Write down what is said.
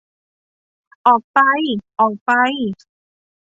ออกไป ! ออกไป !